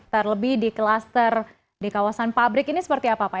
terlebih di kluster di kawasan pabrik ini seperti apa pak